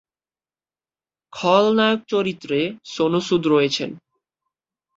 খল-নায়ক চরিত্রে সোনু সুদ রয়েছেন।